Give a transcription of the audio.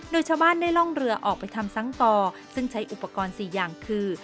โดยชาวบ้านได้ล่องเรือออกไปทำซ้ำต่อซึ่งใช้อุปกรณ์๔อย่างคือ